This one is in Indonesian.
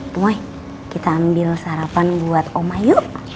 pemoi kita ambil sarapan buat oma yuk